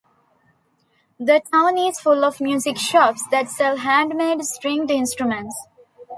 The town is full of music shops that sell handmade stringed instruments.